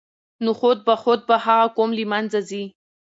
نو خود به خود به هغه قوم له منځه ځي.